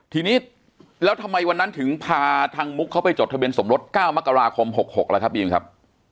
ทีนี้แล้วทำไมวันนั้นถึงพาทางมุกเขาไปจดทะเบียนสมรส๙มกราคม๖๖แล้วครับบีมครับ